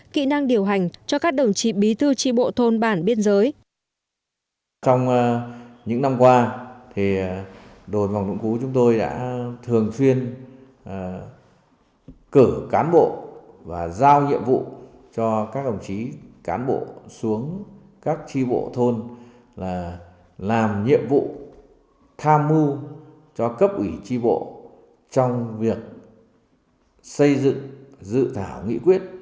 kỹ năng điều hành cho các đồng chí bí thư tri bộ thôn bản biên giới